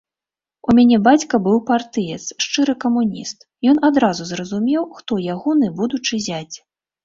У мяне бацька быў партыец, шчыры камуніст, ён адразу зразумеў, хто ягоны будучы зяць.